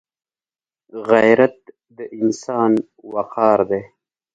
غیرت د انسان وقار دی